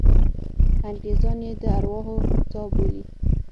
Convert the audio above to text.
انګریزان یې د ارواحو څاه بولي.